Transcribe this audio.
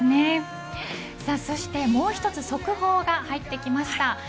そしてもう１つ速報が入ってきました。